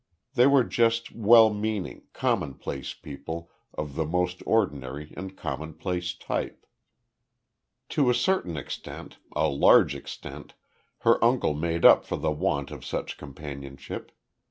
They were just well meaning, commonplace people of the most ordinary and commonplace type. To a certain extent a large extent her uncle made up for the want of such companionship.